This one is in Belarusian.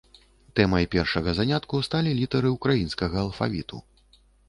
Тэмай першага занятку сталі літары ўкраінскага алфавіту.